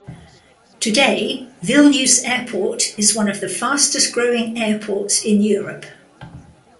Today, Vilnius Airport is one of the fastest-growing airports in Europe.